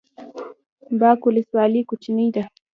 باک ولسوالۍ کوچنۍ ده؟